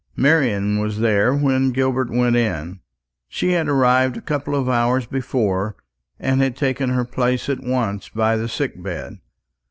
Marian was there when Gilbert went in. She had arrived a couple of hours before, and had taken her place at once by the sick bed.